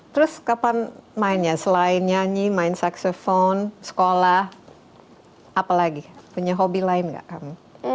terus kapan mainnya selain nyanyi main saksofon sekolah apa lagi punya hobi lain gak kamu